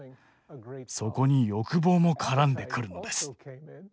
そこに欲望も絡んでくるのです。